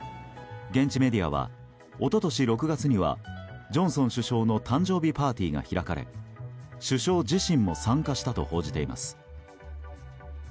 現地メディアは一昨年６月にはジョンソン首相の誕生日パーティーが開かれ首相自身も参加したと報じています。